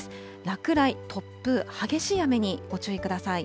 落雷、突風、激しい雨にご注意ください。